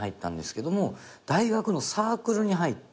大学のサークルに入って。